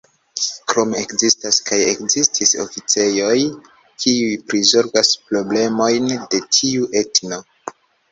Krome ekzistas kaj ekzistis oficejoj, kiuj prizorgas problemojn de tiu etno.